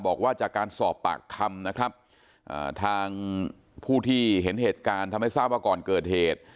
บอกว่าจากการสอบปากคำนะครับทางผู้ที่เห็นเหตุการณ์ทำให้ทราบว่าก่อนเกิดเหตุ